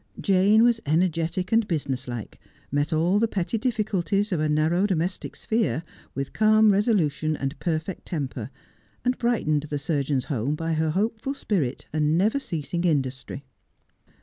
Jane was energetic and business like, met all the petty difficulties of a narrow domestic sphere with calm resolution and perfect temper, and brightened the surgeon's home by her hopeful spirit and never ceasing industry.